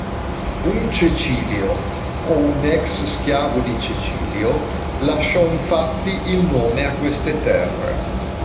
Un Cecilio, o un ex-schiavo di Cecilio, lasciò infatti il nome a queste terre.